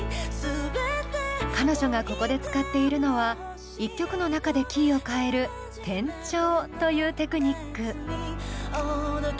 彼女がここで使っているのは１曲の中でキーを変える転調というテクニック。